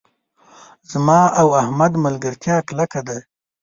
زما او احمد ملګرتیا کلکه ده.